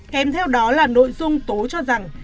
kèm theo đó là nội dung tố cho rằng